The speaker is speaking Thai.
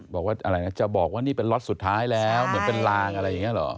บอกว่าอะไรนะจะบอกว่านี่เป็นล็อตสุดท้ายแล้วเหมือนเป็นลางอะไรอย่างนี้เหรอ